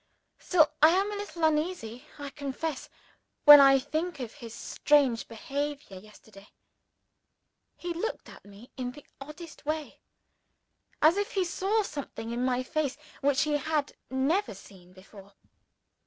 Still I am a little uneasy, I confess, when I think of his strange behavior yesterday. He looked at me, in the oddest way as if he saw something in my face which he had never seen before.